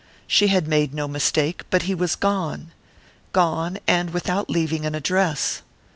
She had made no mistake, but he was gone! Gone and without leaving an address....